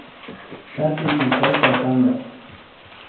Hatuy killkashka panka